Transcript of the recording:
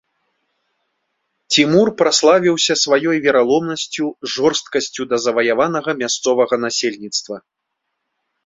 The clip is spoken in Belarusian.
Цімур праславіўся сваёй вераломнасцю, жорсткасцю да заваяванага мясцовага насельніцтва.